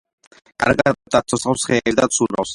კარგად დაცოცავს ხეებზე და ცურავს.